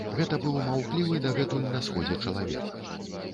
Гэта быў маўклівы дагэтуль на сходзе чалавек.